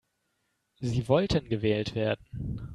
Sie wollten gewählt werden.